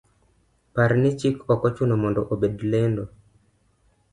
Par ni chik okochuno mondo obed lendo,